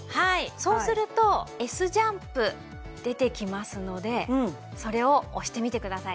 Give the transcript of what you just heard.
そうすると「Ｓジャンプ」出てきますのでそれを押してみてください。